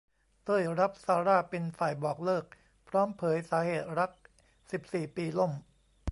เต้ย รับ ซาร่า เป็นฝ่ายบอกเลิก พร้อมเผยสาเหตุรัก สิบสี่ ปีล่ม